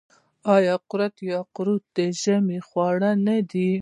آیا کورت یا قروت د ژمي خواړه نه دي؟